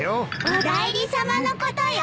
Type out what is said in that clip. お内裏さまのことよ。